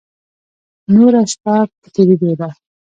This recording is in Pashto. نوره شپه په تېرېدو ده.